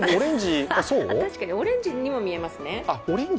確かにオレンジにも見えますね。